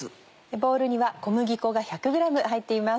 ボウルには小麦粉が１００ｇ入っています。